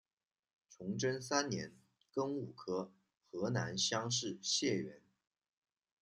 崇祯三年庚午科河南乡试解元。